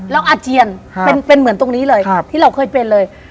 เราอาเจียนครับเป็นเหมือนตรงนี้เลยครับที่เราเคยเป็นเลย